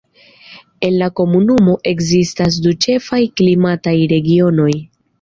En la komunumo ekzistas du ĉefaj klimataj regionoj.